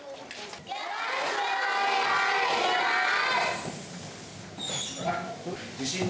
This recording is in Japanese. よろしくお願いします。